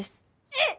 えっ？